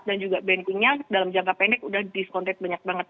dan juga bankingnya dalam jangka pendek sudah diskontek banyak banget